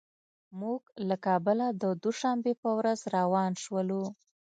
موږ له کابله د دوشنبې په ورځ روان شولو.